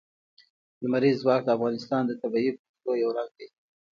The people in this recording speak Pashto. لمریز ځواک د افغانستان د طبیعي پدیدو یو رنګ دی.